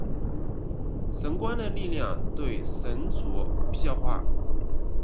神官的力量对神族无效化。